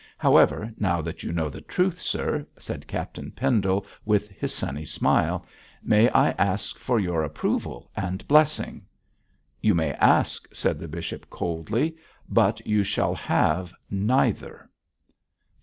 However, now that you know the truth, sir,' said Captain Pendle, with his sunny smile, 'may I ask for your approval and blessing?' 'You may ask,' said the bishop, coldly, 'but you shall have neither.'